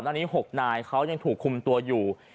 ตอนนี้๖นายเขายังถูกคุมตัวอยู่